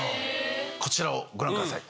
こちらをご覧ください。